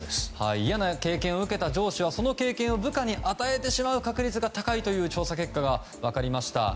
パワハラを受けた人が加害者になるケースが嫌な経験を受けた上司はその経験を部下に与えてしまう確率が高いという調査結果が分かりました。